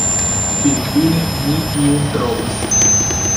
Finfine ni iun trovis.